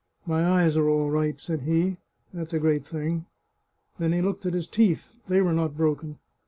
My eyes are all right," said he. " That's a great thing." Then he looked at his teeth ; they were not broken.